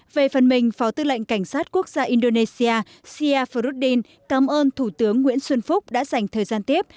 về phần mình phó tư lệnh cảnh sát quốc gia indonesia sia frouddin cảm ơn thủ tướng nguyễn xuân phúc đã dành thời gian tiếp